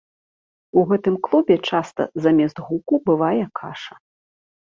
У гэтым клубе часта замест гуку бывае каша.